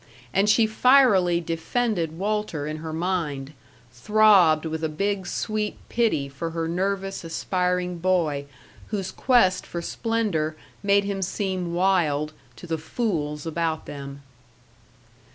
And she fierily defended Walter in her mind; throbbed with a big, sweet pity for her nervous, aspiring boy whose quest for splendor made him seem wild to the fools about them.